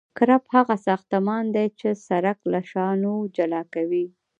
کرب هغه ساختمان دی چې سرک له شانو جلا کوي